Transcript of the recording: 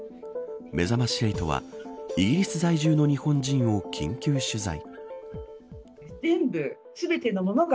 めざまし８は、イギリス在住の日本人を緊急取材。